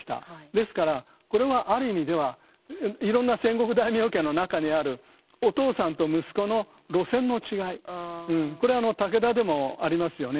ですからこれはある意味ではいろんな戦国大名家の中にあるこれは武田でもありますよね。